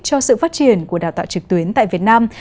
cho sự phát triển của đào tạo trực tuyến tại việt nam